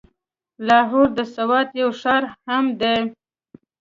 لاهور د سوات يو ښار هم دی.